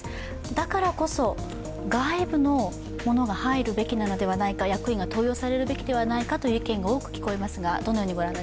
だからこそ外部のものが入るべきなのではないのか、役員が登用されるべきではないかという見方がありますが？